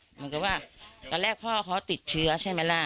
เหมือนกับว่าตอนแรกพ่อเขาติดเชื้อใช่ไหมล่ะ